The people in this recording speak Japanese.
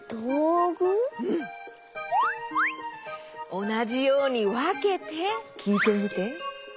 おなじようにわけてきいてみて。